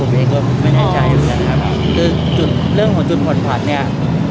กกูไม่น่าจ้ายกันนะครับค่ะค่ะค่ะคือจุดเรื่องของจุดขนพัดเนี้ย